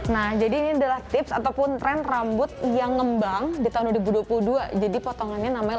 nah jadi ini adalah tips ataupun tren rambut yang ngembang di tahun dua ribu dua puluh dua jadi potongannya namanya